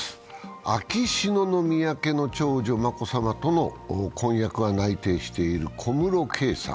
秋篠宮家の長女、眞子さまとの婚約が内定している小室圭さん。